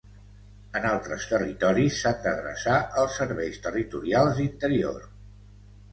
En els altres territoris s'han d'adreçar als serveis territorials d'Interior.